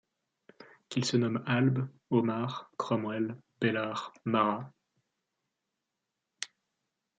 Qu'il se nomme Albe, Omar, Cromwell, Bellart, Marat